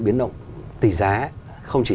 biến động tỷ giá không chỉ